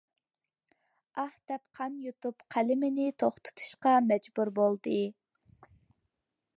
ئاھ، دەپ قان يۇتۇپ قەلىمىنى توختىتىشقا مەجبۇر بولدى.